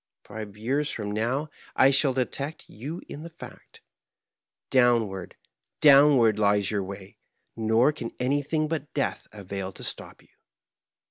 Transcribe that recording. Five years from now I shall detect you in the fact. Downward, downward, lies your way; nor can anytlung but death avail to stop you."